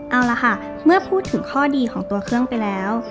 เอาล่ะค่ะเมื่อพูดถึงข้อดีของตัวเครื่องไปแล้ว